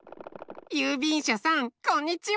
ゆうびんしゃさんこんにちは。